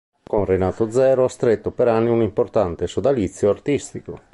Con Renato Zero ha stretto per anni un importante sodalizio artistico.